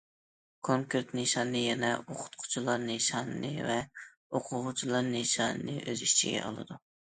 كونكرېت نىشانى يەنە ئوقۇتقۇچىلار نىشانى ۋە ئوقۇغۇچىلار نىشانىنى ئۆز ئىچىگە ئالىدۇ.